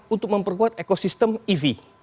untuk memperkuat ekosistem ev